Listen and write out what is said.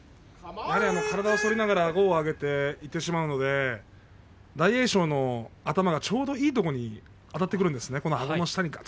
体を反りながらあごを上げていってしまうので大栄翔の頭がちょうどいいところにあたってくるんですね。